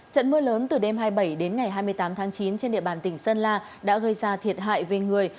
trận mưa lớn từ đêm hai mươi bảy đến ngày hai mươi tám tháng chín trên địa bàn tỉnh sơn la đã gây ra thiệt hại về người